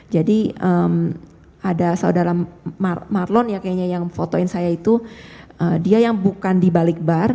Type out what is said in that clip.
jadi ada saudara marlon ya kayaknya yang fotoin saya itu dia yang bukan di balik bar